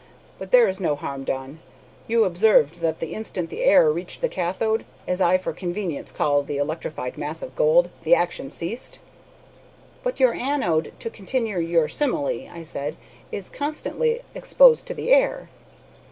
But there is no harm done. You observed that the instant the air reached the kathode, as I for convenience call the electrified mass of gold, the action ceased." "But your anode, to continue your simile," I said, "is constantly exposed to the air."